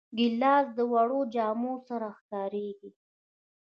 ګیلاس د وړو جامو سره ښکارېږي.